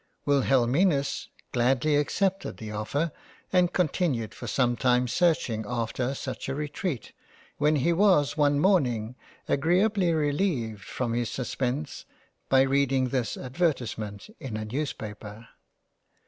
Wilhelminus gladly accepted the offer and continued for some time searching after such a retreat when he was one morning agreably releived from his suspence by reading this advertisement in a Newspaper.